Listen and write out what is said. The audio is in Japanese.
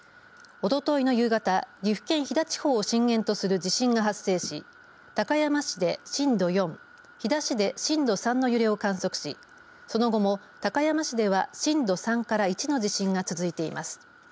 おとといの夕方岐阜県飛騨地方を震源とする地震が発生し高山市で震度４飛騨市で震度３の揺れを観測しその後も高山市では震度３から１の地震が続いています。